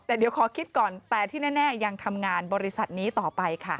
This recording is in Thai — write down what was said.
แต่เดี๋ยวขอคิดก่อนแต่ที่แน่ยังทำงานบริษัทนี้ต่อไปค่ะ